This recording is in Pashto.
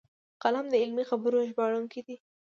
قلم د علمي خبرو ژباړونکی دی